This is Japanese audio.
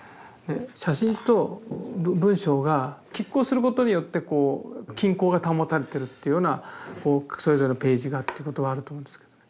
写真と文章が拮抗することによってこう均衡が保たれてるっていうようなそれぞれのページがっていうことはあると思うんですけど。